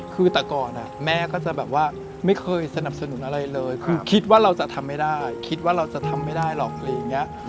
คือแต่ก่อนแม่ก็จะแบบว่าไม่เคยสนับสนุนอะไรเลยคือคิดว่าเราจะทำไม่ได้คิดว่าเราจะทำไม่ได้หรอกอะไรอย่างนี้